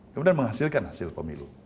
kemudian menghasilkan hasil pemilu